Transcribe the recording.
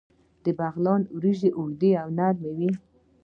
د بغلان وریجې اوږدې او نرۍ وي.